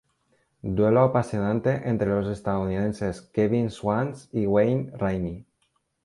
Duelo apasionante entre los estadounidenses Kevin Schwantz y Wayne Rainey.